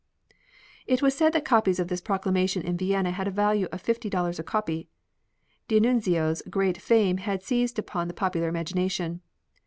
It was said that copies of this proclamation in Vienna had a value of fifty dollars a copy. D'Annunzio's great fame had seized upon the popular imagination.